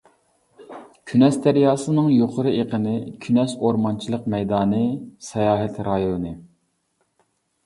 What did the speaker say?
كۈنەس دەرياسىنىڭ يۇقىرى ئېقىنى، كۈنەس ئورمانچىلىق مەيدانى ساياھەت رايونى.